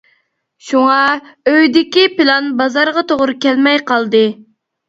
شۇڭا ‹ ‹ئۆيدىكى پىلان بازارغا توغرا كەلمەي› › قالدى.